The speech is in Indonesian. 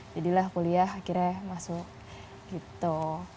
jadilah kuliah akhirnya masuk gitu